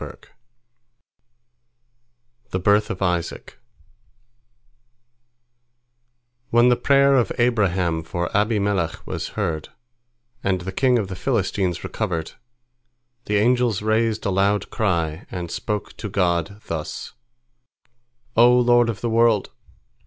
THE BIRTH OF ISAAC When the prayer of Abraham for Abimelech was heard, and the king of the Philistines recovered, the angels raised a loud cry, and spoke to God thus: "O Lord of the world!